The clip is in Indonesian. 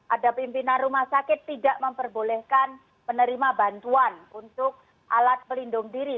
ada pimpinan rumah sakit tidak memperbolehkan menerima bantuan untuk alat pelindung diri